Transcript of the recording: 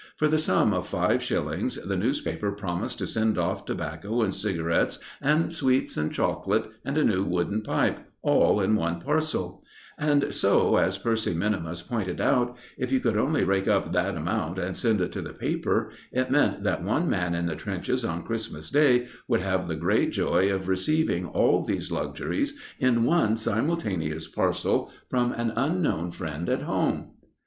For the sum of five shillings the newspaper promised to send off tobacco and cigarettes and sweets and chocolate and a new wooden pipe, all in one parcel; and so, as Percy minimus pointed out, if you could only rake up that amount and send it to the paper, it meant that one man in the trenches on Christmas Day would have the great joy of receiving all these luxuries in one simultaneous parcel from an unknown friend at home.